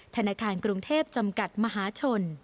ธนาคารกรุงเทพจำกัดมหาชน